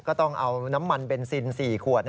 ก็ต้องเอาน้ำมันเบนซิน๔ขวด